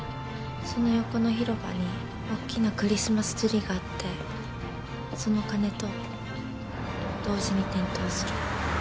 その横の広場におっきなクリスマスツリーがあってその鐘と同時に点灯する